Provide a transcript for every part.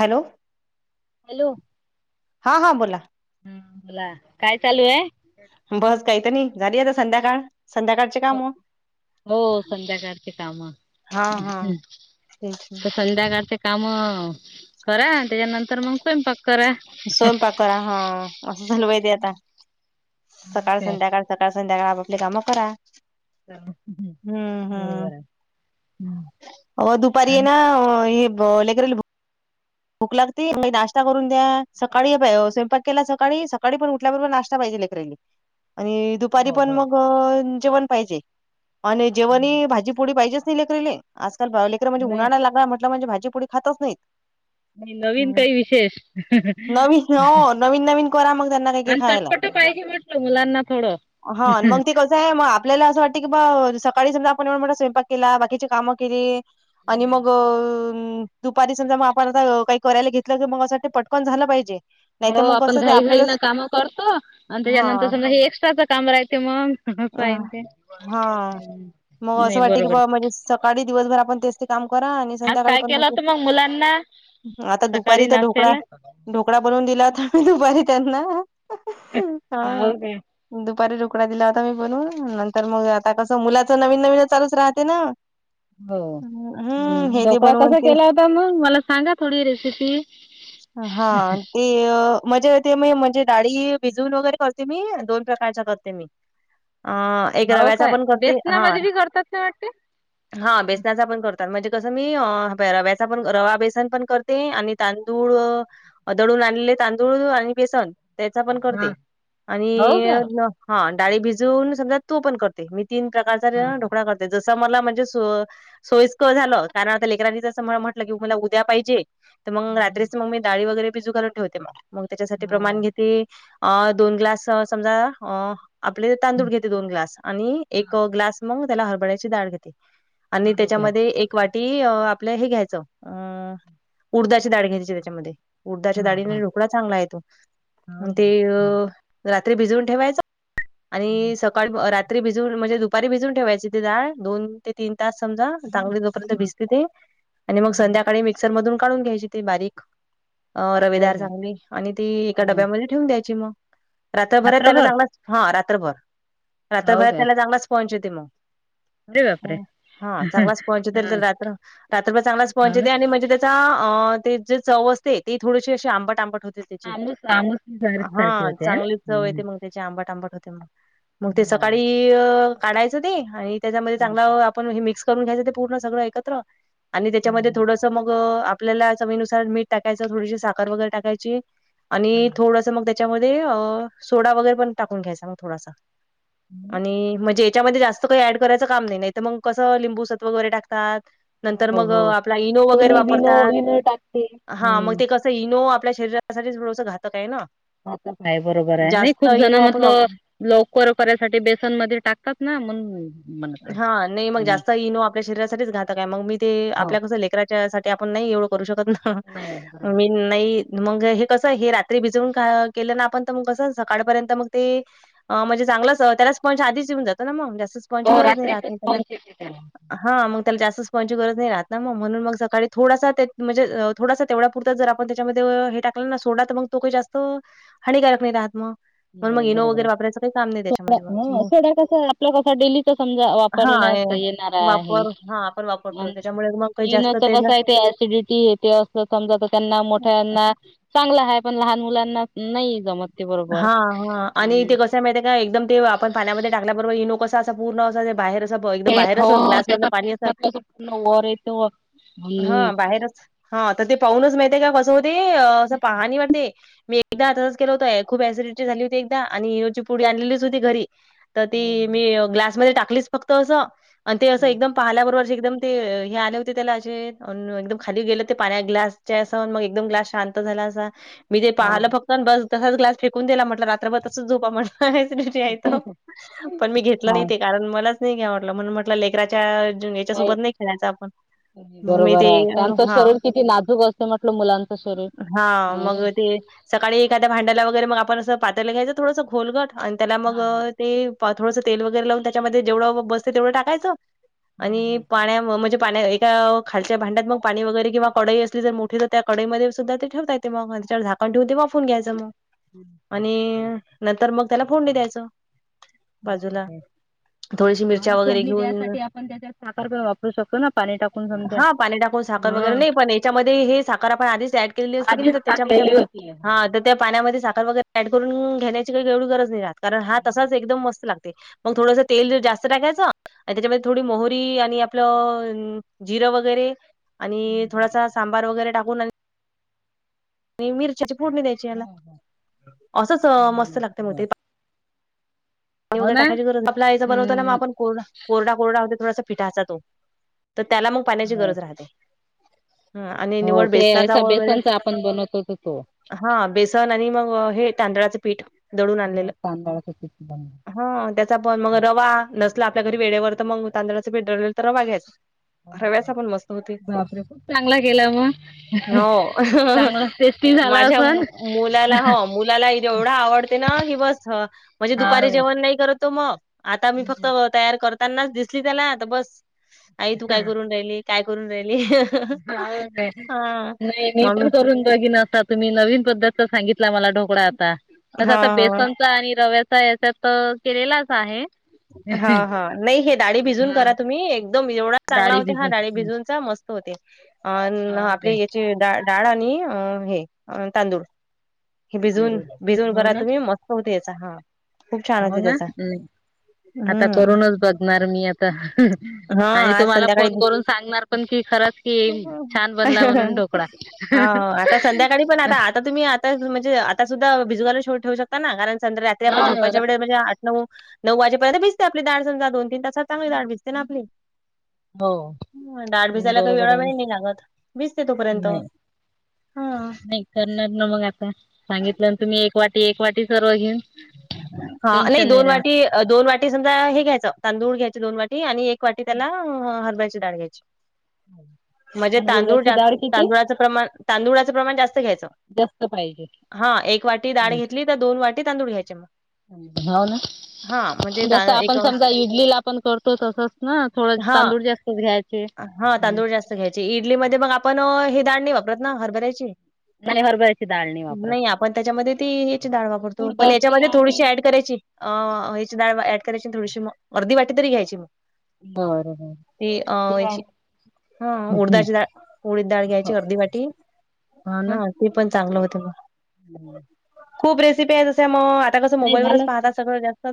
Hello, hello, हा हा बोला, बोला काय चालू आहे? बस काहीत नाही झाली आता संध्याकाळ संध्याकाळ, हो हो संध्याकाळची काम? हा हा तर संध्याकाळचे [unintelligible] काम करा त्याच्यानंतर मग स्यंयपाक करा. स्वयंपाक करा हा असं झालं बाई ते आता हा सकाळ काय संध्याकाळ? सकाळ सकाळ संध्याकाळ आप आपली कामं करा. बरोबर आहे. हो दुपारी आणि आहे ना हे लग्युलर भुक भूक लागते नाश्ता करून द्या सकाळी स्वयंपाक केला सकाळी सकाळी पण उठल्याबरोबर नाश्ता पाहिजे लेकरानी. आणि दुपारी हो पण हो मग जेवण पाहिजे आणि जेवणही भाजीपोडी पाहिजे करीले आजकाल लेकर म्हणजे नाही उन्हाळाला लागला म्हटल म्हणजे भाजीपुडी खातच नाहीत. नवीन काही विशेष नवीन हो नवीन नवीन करा मग त्यांना काही काही आणि खायला. चटपट पाहिजे म्हट मुलांना थोडं. हा मग ते क आहे मग आपल्याला असं वाटत की बा सकाळी समजा आपण म्ह स्वयंपाक केला बाकीची कामं केली. आणि मग दुपारी समजा मग आपण आता काही करायला घेतलं की मग पटकन झालं पाहिजे. नाही हो तर मग आपण कसं ते घाई घाईन आपल्यालाच काम करतो आणि हा त्याच्यानंतर मग हे एक्स्ट्राचं काम राहते मग. सगळं फाईन तेण. हा [unintelligible] मग असं वाटते की बा म्हणजे सकाळी दिवसभर आपण तेच ते काम करा आणि आज संध्याकाळी काय पण केलं होत मग मुलांना? आता दुपारी सकाळी तर ढोकळा. नाश्त्याला? ढोकळा बनवून दिला होता मी दुपारी त्यांना हो हा. काय दुपारी ढोकडा दिला होता मी बनून नंतर मग आता कसं मुलाच नवीन नवीन चालूच राहते ना. हो् हम्म हे दे ढोकळा बनवून कसा ते केला होता मग मला सांगा थोडी रेसिपी? हा ते. ते म्हणजे ते म म्हणजे डाळी भिजून वगैरे करते मी दोन प्रकारच्या करते मी. अ एक हाव रव्याचा काय पण करते बेसना हा मधून बी करतात का वाटते ते? हा बेसनाचा पण करतात म्हणजे कसं मी रव्याचा रवा बेसन पण करते आणि तांद अ दळून आणलेले तांदूळ आणि बेसन. त्याचा पण हा करते हो आणि काय. हा डाळी भिजून समजा तो पण करते मी तीन प्रकारचा ढोकळा करते जस समजा म्हणजे सोयस्कर झालं कारण आता लेकरांनी म्हटलं कि मला उद्या पाहिजे. तर मग हम्म. रात्रीच मंग डाळी वगैरे भिजू घालून ठेवते म मग त्याच्यासाठी प्रमाण हो घेते ते अ दोन ग्लास समजा अ आपले तांदूळ घेते दोन ग्लास आणि एक ग्लास मग त्याला हरभळ्याची डाळ घेते. आणि हो काय. त्याच्यामध्ये एक वाटी अ आपल्या हे घ्यायचं अ उडदाची डाळ घ्यायची्- त्याच्यामध्ये उडदााच्या हा डाळीने हा. ढोकळा चांगला येतो हो म ते- रात्री भिजवून ठेवायच आणि सकाळ ब् रात्री भिज- म्हणजे दुपारी भिजून ठेवायची ती डाळ दोन ते तीन तास समजा मग चांगली- भिजते ते आणि मग संध्याकाळी मिक्सर मधून काढून घ्यायची ते बारीक. अ रवेदार काय चांगली आणि ती एका डब्यामध्ये ठेऊून द्यायची मग. रात्रभरात त्याला रात्रभर चांगलाच हा रात्रभर हो रात्रभरात काय त्याला चांगलाच पंच येते मग. अरे बापरे. हा चांगलाच पंच हा येतल तर हो रात्र रात्रभर चांगलाच ना पंच येते आणि म्हजे त्याच्- जे चव असते ती थोडीशी अशी आंबट आंबट होते. त्याची आमूस आमूस सारख हा सारखी होते. चांगलीच चव येते मग. त्याची आंबट आंबट होते मग मग ते हो. सकाळी काढायच ते आणि त्याच्यामध्ये चांगलं- ते म हे मीक्स करून घ्यायंचं ते पूर्ण सगळं एकत्र आणि हो त्याच्यामधे थोडंस मग आ- आपल्याला चवीनुसार मीठ टाकायचं थोडीशी साखर वगैरे टाकायची आणि थोडस मग त्या- त्याच्यामध्ये अ सोडा वगैरे पण टाकून घ्यायचा म थोडासा. आणि म्हजे याच्यामध्ये जास्त- काही ऍड करायंचं काम नाई नाईतर मग कसं लिंबू सत्व वगैरे टाकतात. नंतर मग हो आपला इनो वगैरे वापरतात, हा म हम्म. ते कस ते इनो आपल्या शरीरासाठीच थाडसं घातक आय न घातक हाय बरोबर हाय, नाई खूप जण आपण म्हतल वाप लवकर करायसाठी बेसनमध्ये टाकतात ना म्हणून. म्हणत हा नई म आहे. जास्त इनो आपल्या शरीरासाठीच घातक हाय, मग मी ते हो आपल्या कसं लेकरा च्यासाठी आपण नाई एवढं करू शकत ना, नाही मी नाई मंग हे कसं हे रात्री भिजवून क केलं ना आपण तर मग कसं सकाळपर्यंत मग ते अं म्हजे चांगलंच त्याला स्पंज आधीच यिऊन जातो ना म, जास्त स्पंजची हो गरज नाई रात्रीच राहत मग त्याला स्पॉनचेस त्याला हा मग त्याला जास्त स्पंजची गरज न्हाई राहत ना मग म्हणून मग सकाळी थोडासा त्यात म्हजे थोडासा तेवढ्या पुुरताच जर आपण त्याच्यामध्ये हे टाकलं ना सोडा तर मग तो काई जास्त हानिकारक नाई राहत म. बरोबर हाय, सोडा त्याच्यामध्ये मग. मग हं सोडा कसा आपला कसा डेली समजा हा ए वापरण्यात येणारा आहे, वापर हा आपण वापरतो आन् त्याच्यामुळे मग काही जास्त ईनोचं तेल कस हाय ते ऍसिडिट् टी ये ते असं समजा त त्यांना मोठ्यांना चांगलं हाय, पण लहान मुलांना नई जमत ते बरोबर. हा हा आणि ते कस हाय माहितीये काय ते आपण पाण्यामध्ये टाकल्याबरोबर इनो कसा असा पूर्ण अस ते बाहेर बघ ते फेस बाहेर हो असं ग्लास मधलं त्याचा पाणी फेस अस मधलं पूर्ण वर येतो आणि ह बाहेरच हा त ते पाहूनच माहिते का कसं होते असं पाहणी वाटते, मी एकदा तस् केल होतय खूप एसिडिटी झाली होती एकदा आणि ईनोची पुडी आणलेलीच होती घरी त ती मी ग्लासमध्ये टाकलीच फक्त असं आणि ते असं एकदम पाहल्या बरोबरच एकदम ते हे आले होते त्याला असे अन् एकदम खाली गेले ते पाण्या ग्लास च्या असं न म एकदम ग्लास शांत झाला असा मी ते हो पाहालं फक्त अन् बस तसाच ग्लास फेकून दिला म्हटलं रात्रभर तसच झोपा म्हटल ते हाय त, पण मी घेतलं हा नई ते कारण मलाच नई घ्यावं वाटलं म्हणुन म्हट् लेकराच्या ज नाही याच्यासोबत नई खेळायचं आपण मग मी बरोबर ते आहे त्यांचं हा, शरीर किती नाजूक असते म्हटलं मुलांचं शरीर हा हो. मग ते सकाळी एखाद्या भांड्याला वगैरे मग आपण असं पातेलं घ्यायचं थोडंसं खोलगट आणि त्याला हा मग हा ते पाथवाच तेल वगैरे लावून त्याच्यामध्ये जेवढं बसते तेवढं टाकायचं हा आणि हा पाण्या म म्हजे पाण्या एका खालच्या भांड्यात मग पाणी वगैरे किंवा कडई असली जर मोठी तर त्या कडईमध्ये सुद्धा ते ठेवता येते म, त्याच्यावर झाक कण ठेऊन ते वाफऊन घ्यायच म. [inaudible] अणि नंतर मग त्याला फोडणी द्यायचं, बाजूला. थोडीशी हा ना मिरच्या वगैरे फोडणी घेऊन द्यायसाठी आपण त्याच्यात साखर पण वापरू शकतो ना पाणी टाकून समजा हा पाणी टाकून साखर वगैरे नाही, पण याच्यामध्ये हे साखर आपण आधीच ऍड केलेली असते की नाही त्याच्या केली होतीे. हा तर त्या पाण्यामध्ये साखर वगैरे ऍड करून घेण्याची काही एवढी गरज नाही राहात. कारण हा तसाच एकदम मस्त लागते, मग थोडस तेल जास्त टाकायचं आणि त्याच्यामध्ये थोडी मोहरी आणि आपलं अं जिरं वगैरे आणि थोडासा सांबार वगैरे टाकून आणि आणि मिरच्याची फोडणी द्यायची याला, असंच मस्त लागते मग ते. हो ना टाकायची गरज आपला आईचा बनवताना ना हम्म आपण कोर कोरडा- कोरडा होते थडासा फिटा असा तो. तर त्याला मग पाण्याची हो गरज राहते. हं, आणि हो निवळ ते बेसनाचा याचा वळ बर. बेसनचा आपण बनवतो तो तो हा बेसन आणि मग हे तांदळाचं पीठ. हो तांदळाचं पीठ [unintelligible] हा त्याचा पण मग रवा नसला आपल्या घरी वेळेवर तर मंग तांदळाचं पीठ दळलेलं तर रवा घ्यायचं. बापरे खूप चांगला गेला मग हो. चांगलं ते माझ्या मु मुलाला हो मुलाला ही देवढा आवडते ना की बस हा म्हणजे हाव दुपारी जेव वन पण नाही करतो मग आता मी फक्त तयार करतानाच दिसली त्याला तर बस आई तू काय करून राहिली काय करून राहिली. हाव हां. नाही मी मग पण करून बघीन आता. तुम्ही नवीन पद्धतचा सांगितला मला ढोकळा आता तसं आता हां, हां. बेसन च्या आणि रव्याचा याच्या तर केलेलाच आहे. हा हा नाही हे डाळी भिजून करा तुम्ही एकदम एवढा चांगला डाळी होते हा भिजून डाळी भिजूनचा मस् त होते अन हा आपले याचे डा डाळ आणि अ हे तांदूळ हे भिजवून भिजवून हो करा ना तुम्ही मस्त होते याचा हा. हो ना हम्म. आता हं, करूनच बघणार मी आता हां, आणि आज तुम्हाला संध्याकाळी फोन करून सांगणार पण कि खरच छान बनला म्हणून ढोकळा. हां, आता संध्याकाळी पण आता आता तुम्ही आता म्हणजे आता सुद्धा भिज घालू सोड ठेऊ शकता ना कारण संध्या रात्री आपण हा झोपायच्या वेळे म्हणजे आ नऊ नऊ वाजेपर्यंत भिजते आपली डाळ समजा दोन तीन तासात चांगली डाळ भिजते ना आपली. हो. म डाळ भिजा यला काही एवढा बरोबर आहे वेळ नाही लागत भिजते तोपर्यंत. नाही हा. नाही करणार ना मग आता सांगितलं तुम्ही एक वाटी एक वाटी सर्व घेऊन नाही टेन्शन दोन वाटी राहत दोन वाटी समजा हे घ्यायचं तांदूळ घ्यायचे दोन वाटी आणि एक एक वाटी त्याला हरबरयाची डाळ घ्यायची म्हणजे आणि तांदूळ उडदाची डाळ जास्त किती तांदुळाचा प्रमाण तांदळाचे प्रमाण जास्त घ्यायचा जास्त पाहिजे हा एक वाटी डाळ घेतली तर दोन वाटी तांदूळ घ्यायचे मग हाव ना हा म्हणजे ता जसं एक आपण समजा इडलीला आपण करतो तसच ना. थोडंस हा तांदूळ जास्त घ्यायं हा तांदूळ जास्त घ्यायचे इडलीमध्ये मग आपण हे दाडणी वापरत ना हरबरायची. नाही हरभऱ्याची डाळ वापरत. नाही आपण त्याच्यामध्ये ती हिच डाळ वापरतो पण याच्यामध्ये थोडीशी ऍड करायची. अ ह्याची डाळ व ऍड करायची थोडीशी म अर्धी वाटी तरी घ्यायची म. बरं बरं. अ याची हा उडदाची डाळ उडीद डाळ घ्यायची अर्धी वाटी हां. ते पण चांगलं होते म. हम्म. खूप रेसिपी आहे तस्या मग आता कसं नाही मोबाईल वरच झालं तर पाहतात सगळं जास्त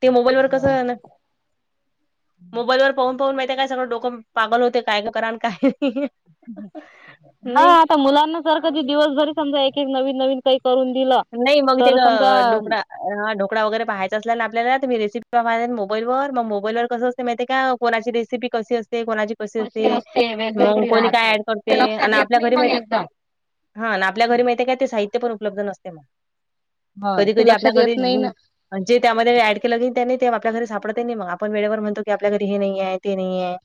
ते मोबाईल वर कसं आहे ना मोबाईलवर पाहून पाहून माहितीय काय सगळं डोकं पागल होते काय गं कराण काय नाही. हा आ ता मुलांना सर कधी दिवसभरी समजा एक एक नवीन नवीन काहीतरी करून दिलं नाही मग ते तर समजा गं ढोकळा हा ढोकळा वगैरे पहायचा असला ना आपल्याला तर मी रेसिपी [unintelligible] मोबाईल मग मोबाईलवर कसं असते माहितीये का कोणाची रेसिपी कशी असते कोणाची कशी असते मंग वेगवेगळी कोणी राहते काय ऍड ते करते लक्षात आणि येत आपल्या नाही घरी मग माहित एकदम. हा ना आपल्या घरी माहितीय आहे काय ते साहित्य पण उपलब्ध नसते मग हो कधी ते कधी लक्षात आपल्या घरी येत नाही ना. जे त्यामध्ये ऍड केलं गी त्या नाही ते आपल्या घरी सापडत ही नाही मग आपण वेळेवर म्हणतो की आपल्या घरी हे नाही आहे ते नाही आहे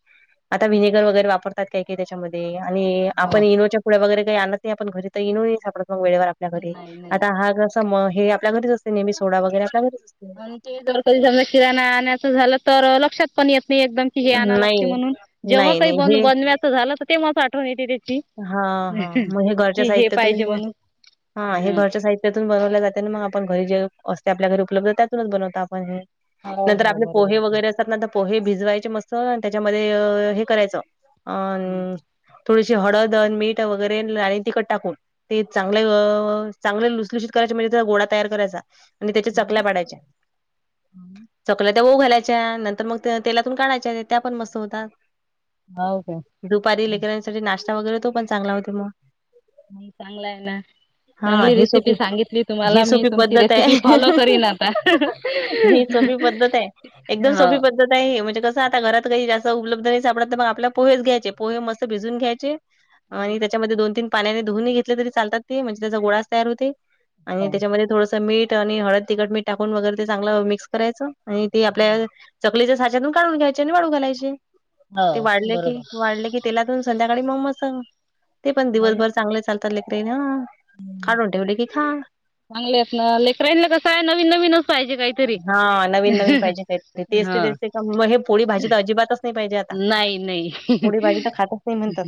आता व्हिनेगर वगैरे वापरतात ते काय? त्याच्यामध्ये आणि आपण इनोच्या पुढ्या वगैरे काही आणत नाही. आपण घरी तर इनो सापडतं मग वेळेवर आपल्या घरी. नाही नाही. आता हा, गस म हे आपल्या घरीच असते नेहमी. सोडा वगैरे आपल्या घरीच असते. आणि जर कधी समजा किराणा आणायचं झालं, तर लक्षात पण येत नाही एकदम. हे आणा लागते, नाही म्हणून जेव्हा नाही काही नाही ब हे बनव्याचं झालं, तर तेव्हाच आठवण येते त्याची. हा, हा! मग हे घरच्या कि हे पाहिजे साहित्यातून, म्हणून हा हे ह घरच्या साहित. त्यातून बनवल्या जाते आणि मग आपण घरी जे असते, आपल्या घरी उपलब्ध त्यातूनच बनवत आपण हे. नाहीतर आपले पोहे वगैरे. पोहे भिजवायचे मस्त. त्याच्यामध्ये हे, आ. करायचं अं. जे हळदन, मीठ वगैरे आणि लय तिकट टाकून. ते चांगले-चांगले लुसलुसत करायचे, म्हणजे त्याचा गोळा तयार करायचा. आणि त्याच्या चकल्या पाडायच्या. हम. चकल्या त्या ऊ घालायच्या नंतर मग तेलातून काढायच्या. त्या पण मस्त होतात. हो का? दुपारी लेकरांसाठी नाश्ता वगैरे तो पण चांगला होते मग. चांगलं आहे ना? हा चांगली हे सोपी रेसिपी सांगितली तुम्हाला. ही मी सोपी तुमची पद्धत रेसिपी आहे. फॉलो करीन आता. ही हा. काय म्हणजे, कसं? आता घरात काही जास्त उपलब्ध नाही सापडत, तर मग आपल्या पोहेच घ्यायचे. पोहे मस्त भिजून घायचे घ्यायचे आणि हो त्याच्यामध्ये दोन-तीन पाण्याने धुण घेतले तरी चालतात. ते, आ म्हणजे त्याचा गोळाच तयार होते. आणि त्याच्यामध्ये थोडंसं मीठ आणि हळद, तिखट, मीठ टाकून वगैरे ते चांगलं मिक्स करायचं. आणि ते आपल्या चकलीच्या साच्यातून काढून घ्यायचे आणि वाळू घालायचे. ते, वाळले बरोबर. की-वाळले की तेलातून संध्याकाळी मस्त! ते पण दिवसभर चांगले चालत. लेकराेना काढून ठेवल की खा. चांगले आहेत ना? लेकराईनला कसं आहे, नवीन-नवीनच पाहिजे काहीतरी. हां, नवीन-नवीन पाहिजे तेच हा. ते-तेच ते का मग! हे पोळी-भाजी तर अजिबातच नाही पाहिजे आता. नाही-नाही, पोळी भाजी तर खातच नाही म्हणतात.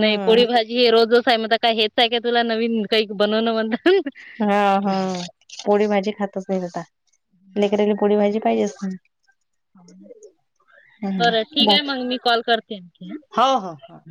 नाही पोळी-भाजी. हे रोजचं रोज हाय, मत काय हेच आहे काय? तुला नवीन काही बनवणं म्हण हा-हा. पोळी-भाजी खातंच नाही, आता लेकराले पोळी-भाजी पाहिजे असेल. हं. बरं, ठीक आहे. बाकी मग मी कॉल करते, आणखी हा. हो, हा-हा.